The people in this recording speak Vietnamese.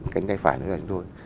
cánh tay phải nó là chúng tôi